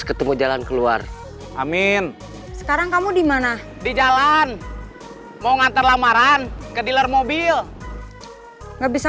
ketemu jalan keluar amin sekarang kamu dimana di jalan mau ngantar lamaran ke dealer mobil nggak bisa